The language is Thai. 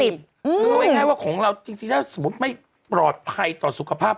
คือเอาง่ายว่าของเราจริงถ้าสมมุติไม่ปลอดภัยต่อสุขภาพ